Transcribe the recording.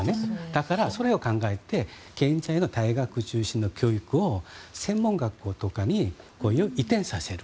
だから、それを考えて現在の大学中心の教育を専門学校とかに移転させる。